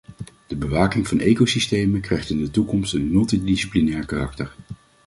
De bewaking van ecosystemen krijgt in de toekomst een multidisciplinair karakter.